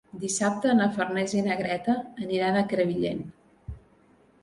Dissabte na Farners i na Greta aniran a Crevillent.